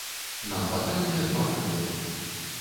Нам патрэбныя два прыклады.